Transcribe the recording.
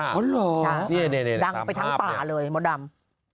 นี่ตามภาพเนี่ยดังไปทั้งป่าเลยเมาดำ